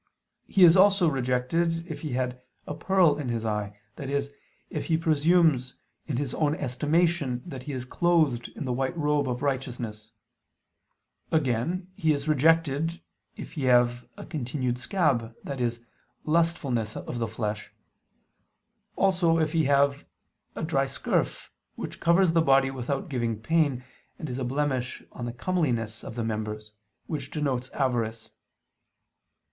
He is also rejected if he had "a pearl in his eye," i.e. if he presumes in his own estimation that he is clothed in the white robe of righteousness. Again, he is rejected "if he have a continued scab," i.e. lustfulness of the flesh: also, if he have "a dry scurf," which covers the body without giving pain, and is a blemish on the comeliness of the members; which denotes avarice.